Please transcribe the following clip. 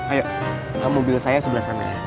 ayo mobil saya sebelah sana ya